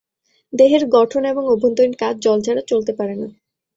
দেহের গঠন এবং অভ্যন্তরীণ কাজ জল ছাড়া চলতে পারে না।